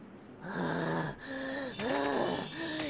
ああ。